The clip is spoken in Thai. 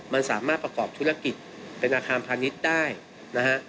มันสามารถประกอบธุรกิจเป็นอาคารพาณิชย์ได้นะฮะ